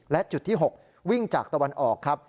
และจุดที่๖วิ่งจากตะวันออกครับ